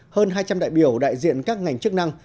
hơn hai trăm linh đại biểu đại diện các ngành chức năng